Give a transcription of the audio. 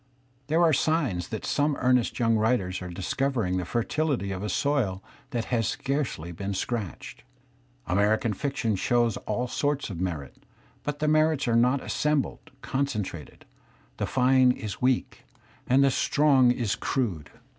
There are signs that some earnest young writers are discovering the fertility of a soil that has scarcely been scratched. American fiction shows all sorts of merit, but the merits are not assembled, concentrated; the fine is weak, and the strong Digitized by Google ? 16 THE SPIRIT OP 4MERICAN LITERATURE ^ lis crude.